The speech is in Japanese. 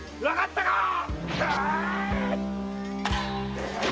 わかったか‼